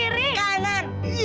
berisik sama kamu berdua